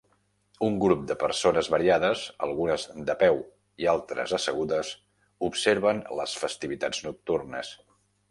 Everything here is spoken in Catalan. Un grup de persones variades, algunes de peu i altres assegudes, observen les festivitats nocturnes